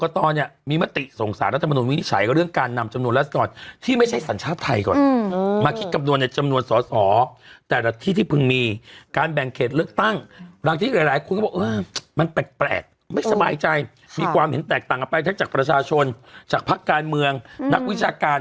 ทำเห็นแตกต่างออกไปใช้จากประชาชนจากพรรคการเมืองนักวิชาการ